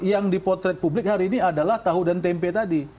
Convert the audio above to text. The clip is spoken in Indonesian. yang dipotret publik hari ini adalah tahu dan tempe tadi